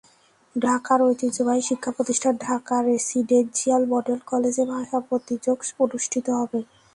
ঢাকার ঐতিহ্যবাহী শিক্ষাপ্রতিষ্ঠান ঢাকা রেসিডেনসিয়াল মডেল কলেজে ভাষা প্রতিযোগ অনুষ্ঠিত হবে।